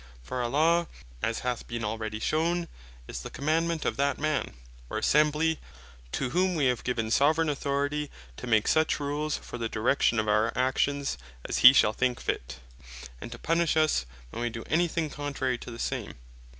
For a Law, (as hath been already shewn) is the Commandement of that Man, or Assembly, to whom we have given Soveraign Authority, to make such Rules for the direction of our actions, as hee shall think fit; and to punish us, when we doe any thing contrary to the same.